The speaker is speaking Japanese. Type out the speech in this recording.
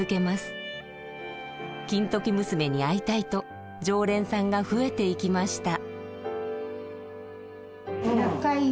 金時娘に会いたいと常連さんが増えていきました。